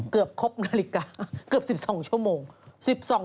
เกือบครบนาฬิกาเกือบ๑๒ชั่วโมง